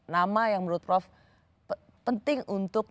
nama yang menurut prof penting untuk